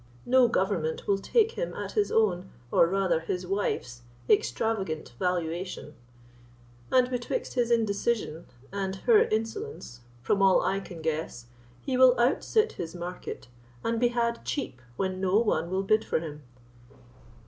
No government will take him at his own, or rather his wife's extravagant, valuation; and betwixt his indecision and her insolence, from all I can guess, he will outsit his market, and be had cheap when no one will bid for him.